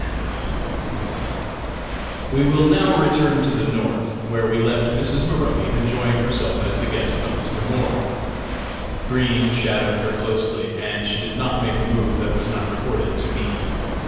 _ We will now return to the North, where we left Mrs. Maroney enjoying herself as the guest of Mr. Moore. Green shadowed her closely, and she did not make a move that was not reported to me.